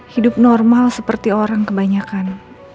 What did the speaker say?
hidup normal seperti orang kebanyakan